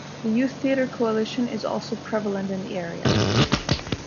The Youth Theatre Coalition is also prevalent in the area.